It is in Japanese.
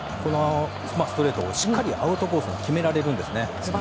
ストレートをしっかりアウトコースに決められるんですね。